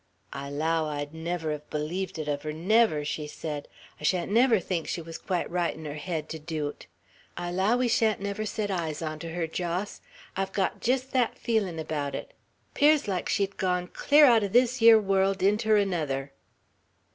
"I allow I'd never hev bleeved it uv her, never," she said. "I shan't never think she wuz quite right 'n her head, to do 't! I allow we shan't never set eyes on ter her, Jos. I've got jest thet feelin' abaout it. 'Pears like she'd gone klar out 'er this yer world inter anuther."